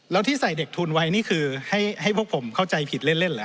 แล้วที่ใส่เด็กทุนไว้นี่คือให้พวกผมเข้าใจผิดเล่นเหรอ